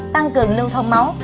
tăng cường lưu thông máu